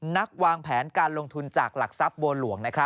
วางแผนการลงทุนจากหลักทรัพย์บัวหลวง